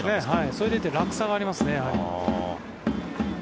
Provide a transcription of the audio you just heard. それでいて落差がありますね。